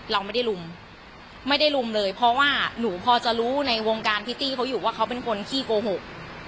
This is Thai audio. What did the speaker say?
เราไม่ได้ลุมไม่ได้ลุมเลยเพราะว่าหนูพอจะรู้ในวงการพิตตี้เขาอยู่ว่าเขาเป็นคนขี้โกหก